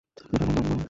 এটা আমার নাম নয়।